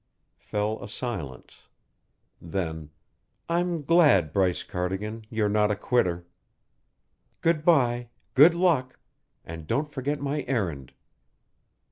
Fell a silence. Then: "I'm glad, Bryce Cardigan, you're not a quitter. Good bye, good luck and don't forget my errand."